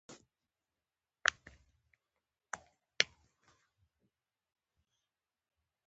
ژبه د یوه وګړي په وجود کې د اروايي خوځښتونو استازې ده